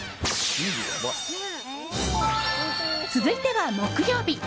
続いては木曜日。